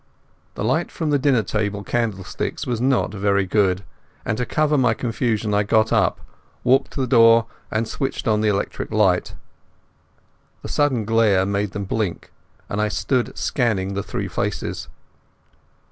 The light from the dinner table candlesticks was not very good, and to cover my confusion I got up, walked to the door and switched on the electric light. The sudden glare made them blink, and I stood scanning the three faces.